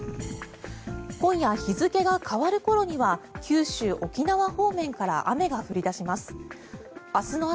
今夜日付が変わるころには九州・沖縄方面から雨が降り出します。